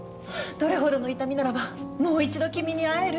どれほどの痛みならばもう一度君に会える？